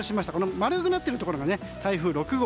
丸くなっているところが台風６号。